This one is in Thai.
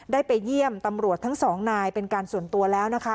ได้ไปเยี่ยมตำรวจทั้งสองนายเป็นการส่วนตัวแล้วนะคะ